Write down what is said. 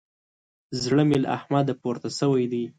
زړه مې له احمده پورته سوی دی.